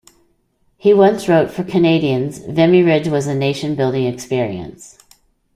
He once wrote: For Canadians, Vimy Ridge was a nation building experience.